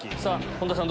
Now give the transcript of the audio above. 本田さん